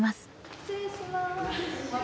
失礼します。